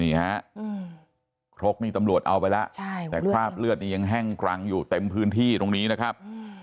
นี่ฮะครกนี่ตำรวจเอาไปแล้วแต่คราบเลือดนี่ยังแห้งกรังอยู่เต็มพื้นที่ตรงนี้นะครับ